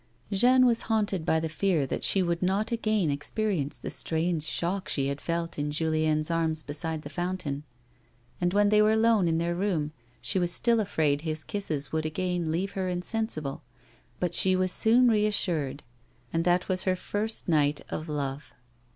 Jeanne was haunted by the fear that she would not again experience the strange shock she had felt in Julien's arms beside the fountain, and when they were alone in their room she was still afraid his kisses would again leave her insensible, but she was soon reassured, and that was her first night of love.